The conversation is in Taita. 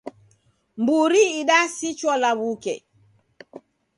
Mburi idasichwa lawuke.